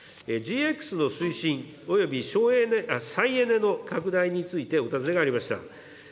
ＧＸの推進および再エネの拡大についてお尋ねがありました。